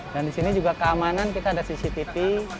dan di sini juga keamanan kita ada cctv